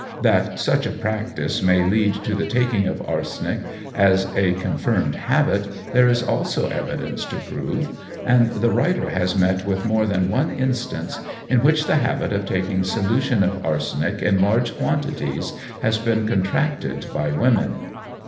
That such a practice may lead to the taking of arsenic as a confirmed habit there is also evidence to prove, and the writer has met with more than one instance, in which the habit of taking solution of arsenic in large quantities has been contracted by women.